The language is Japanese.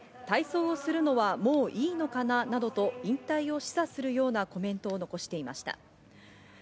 体操をするのはもういいのかななどと引退を示唆するようなコメントを残していました。